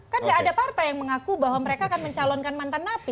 kan gak ada partai yang mengaku bahwa mereka akan mencalonkan mantan napi